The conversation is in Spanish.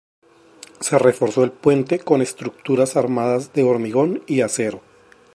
Se reforzó el puente con estructuras armadas de hormigón y acero.